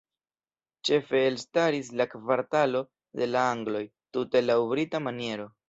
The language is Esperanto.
Ĉefe elstaris la kvartalo "de la angloj" tute laŭ brita maniero.